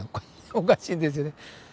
おかしいですよね。